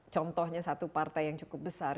contohnya satu partai yang cukup besar